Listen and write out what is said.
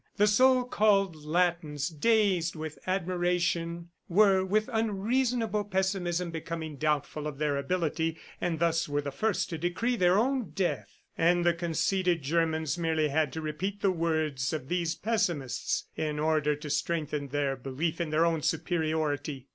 The so called Latins, dazed with admiration, were, with unreasonable pessimism, becoming doubtful of their ability, and thus were the first to decree their own death. And the conceited Germans merely had to repeat the words of these pessimists in order to strengthen their belief in their own superiority.